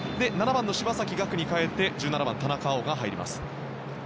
７番の柴崎岳に代えて１７番の田中碧が入ります。